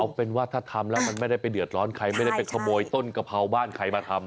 เอาเป็นว่าถ้าทำแล้วมันไม่ได้ไปเดือดร้อนใครไม่ได้ไปขโมยต้นกะเพราบ้านใครมาทำ